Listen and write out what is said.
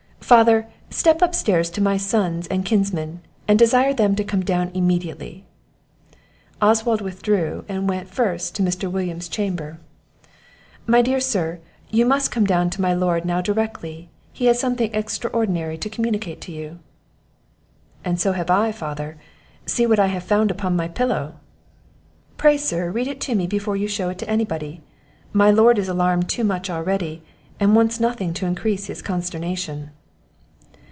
"Father, step upstairs to my sons and kinsmen, and desire them to come down immediately." Oswald withdrew; and went, first, to Mr. William's chamber. "My dear sir, you must come to my lord now directly he has something extraordinary to communicate to you." "And so have I, father see what I have found upon my pillow!" "Pray, sir, read it to me before you shew it to any body; my lord is alarmed too much already, and wants nothing to increase his consternation."